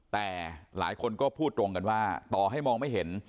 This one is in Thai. แต่หลายคนก็พูดตรงกันว่าต่อให้มองไม่เห็น